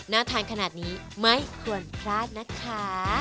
ทานขนาดนี้ไม่ควรพลาดนะคะ